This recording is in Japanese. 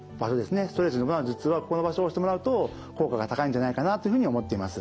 ストレスに伴う頭痛はここの場所を押してもらうと効果が高いんじゃないかなというふうに思っています。